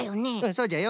そうじゃよ。